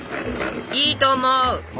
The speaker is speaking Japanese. いいと思う。